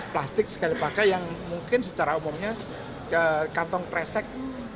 plastik sekali pakai yang mungkin secara umumnya ke kantong presek